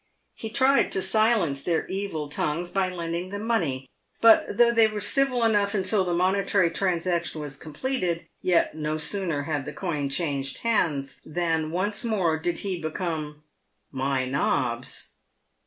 He tried to silence their evil tongues by lending them money, but though they were civil enough until the monetary transaction was completed, yet no sooner had the coin changed hands than once more he became "my nobs."